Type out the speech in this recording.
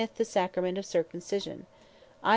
the Sacrament of Circumcision.